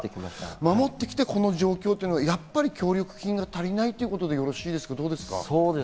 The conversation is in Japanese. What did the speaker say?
守って来てこの状況、やっぱり協力金が足りないということでよろしいですか？